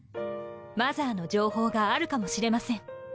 マザーの情報があるかもしれません。